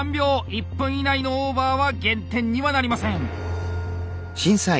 １分以内のオーバーは減点にはなりません。